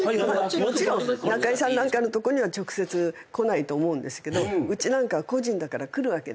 もちろん中居さんのとこには直接来ないと思うんですけどうちなんかは個人だから来るわけですよ。